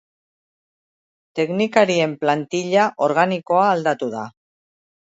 Teknikarien plantilla organikoa aldatu da.